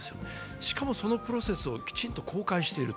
しかもそのプロセスをきちんと公開している。